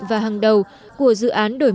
và hàng đầu của dự án đổi mới và nâng cao chất lượng